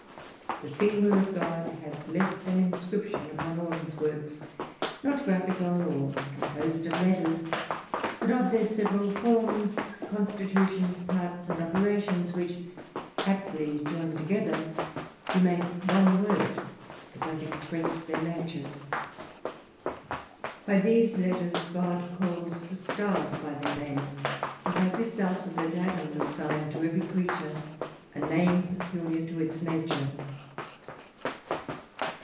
The finger of God hath left an inscription upon all his works, not graphical or composed of letters, but of their several forms, constitutions, parts and operations, which, aptly joined together, do make one word that doth express their natures. By these letters God calls the stars by their names; and by this alphabet Adam assigned to every creature a name peculiar to its nature.